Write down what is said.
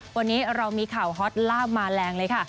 วันนี้เรามีข่าวฮอตลาบมาแรงเลยค่ะ